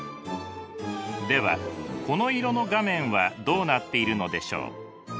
ではこの色の画面はどうなっているのでしょう？